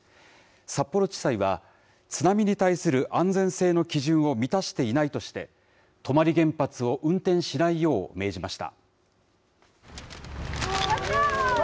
札幌地裁は、津波に対する安全性の基準を満たしていないとして、泊原発を運転しないよう命じました。